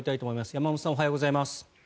山本さんおはようございます。